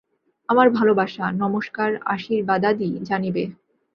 আমার ভালবাসা, নমস্কার, আশীর্বাদাদি জানিবে।